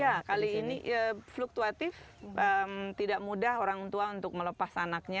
ya kali ini fluktuatif tidak mudah orang tua untuk melepas anaknya